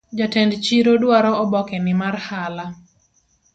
Jatend chiro dwaro obokeni mar hala